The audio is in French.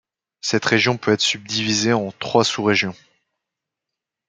Cette région peut être subdivisée en trois sous-régions.